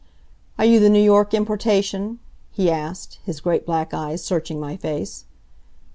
"Are you the New York importation?" he, asked, his great black eyes searching my face.